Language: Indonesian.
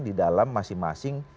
di dalam masing masing